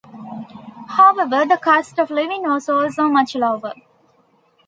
However, the cost of living was also much lower.